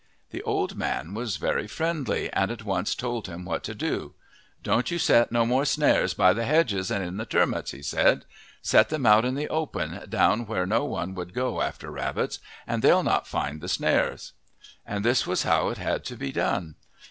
The old man was very friendly and at once told him what to do. "Don't you set no more snares by the hedges and in the turmots," he said. "Set them out on the open down where no one would go after rabbits and they'll not find the snares." And this was how it had to be done.